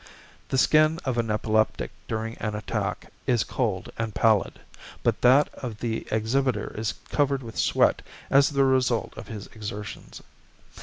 The skin of an epileptic during an attack is cold and pallid, but that of the exhibitor is covered with sweat as the result of his exertions.